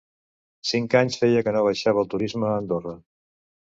Cinc anys feia que no baixava el turisme a Andorra.